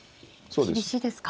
そうです。